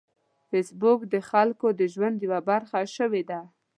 فېسبوک د خلکو د ژوند یوه برخه شوې ده